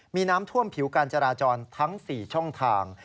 มีน้ำท่วมผิวการจราจรทั้ง๔ช่องทาง